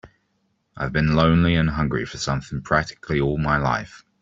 I've been lonely and hungry for something practically all my life.